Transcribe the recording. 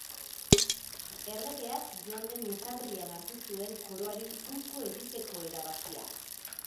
Erregeak joan den urtarrilean hartu zuen koroari uko egiteko erabakia.